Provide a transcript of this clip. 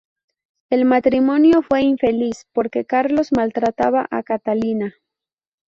El matrimonio fue infeliz, porque Carlos maltrataba a Catalina.